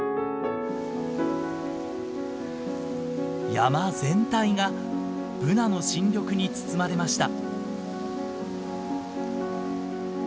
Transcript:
山全体がブナの新緑に包まれました。